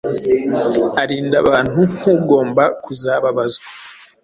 Arinda abantu nk’ugomba kuzababazwa.